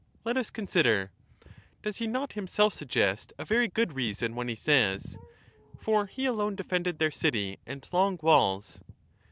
Let us consider: — does he not himself suggest a very good reason, when he says, ' For he alone defended their city and long walls